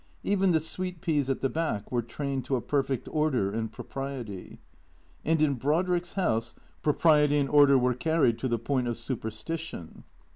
Even the sweet peas at the back were trained to a perfect order and propriety. And in Brodrick's house propriety and order were carried to the point of superstition.